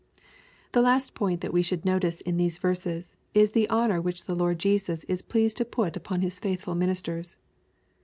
The last point that we should notice in these verses is the honor which the Lord Jesus is pleased to ptU upon His faithful ministers.